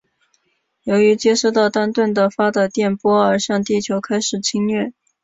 由于接受到丹顿的发的电波而向地球开始侵略。